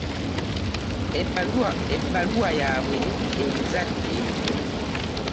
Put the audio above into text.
Ebbaluwa yaabwe ebizadde.